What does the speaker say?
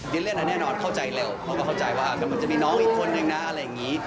เล่นแล้วแน่นอนเข้าใจเร็วเขาก็เข้าใจว่ามันจะมีน้องอีกคนนึงนะอะไรอย่างนี้